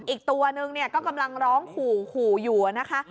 อีกตัวนึงเนี่ยก็กำลังร้องขู่อยู่นะคะ